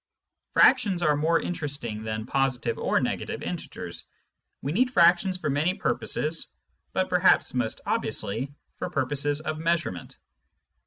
Fractions are more interesting than positive or negative integers. We need fractions for many purposes, but perhaps most obviously for purposes of measurement.